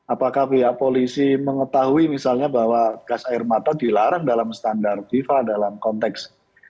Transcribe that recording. apakah pihak polisi mengetahui misalnya bahwa gas air mata dilarang dalam standar fifa dalam konteks